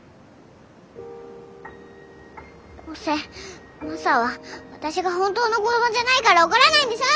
どうせマサは私が本当の子どもじゃないから怒らないんでしょ！